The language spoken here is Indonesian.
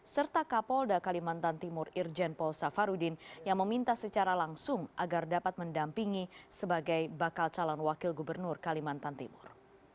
serta kapolda kalimantan timur irjen paul safarudin yang meminta secara langsung agar dapat mendampingi sebagai bakal calon wakil gubernur kalimantan timur